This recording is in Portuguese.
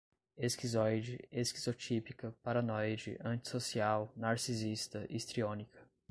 esquizoide, esquizotípica, paranoide, antissocial, narcisista, histriônica